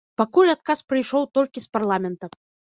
Пакуль адказ прыйшоў толькі з парламента.